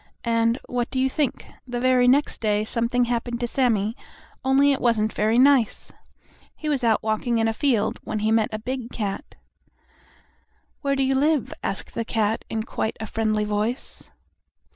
And, what do you think? The very next day something happened to Sammie, only it wasn't very nice. He was out walking in a field, when he met a big cat. "Where do you live?" asked the cat, in quite a friendly voice.